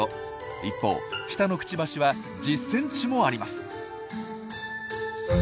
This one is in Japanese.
一方下のクチバシは１０ｃｍもあります！